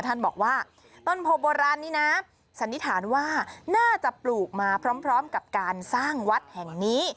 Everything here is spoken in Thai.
ท่านบอกว่าต้นโพโบราณนี้นะสันนิษฐานว่าน่าจะปลูกมาพร้อมกับการสร้างวัดแห่งนี้